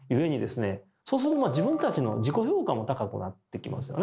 そうすると自分たちの自己評価も高くなってきますよね。